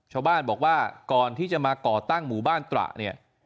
ชาวบ้านบอกว่าก่อนที่จะมาก่อตั้งหมู่บ้านตระเนี่ย